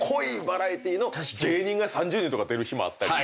芸人が３０人とか出る日もあったり。